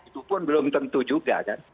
itu pun belum tentu juga kan